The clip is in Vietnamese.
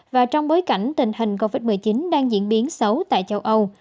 và trong bối cảnh tình hình covid một mươi chín đang diễn biến xấu tại châu âu